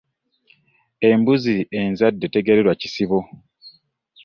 Embuzi enzadde tegererwa kisibo .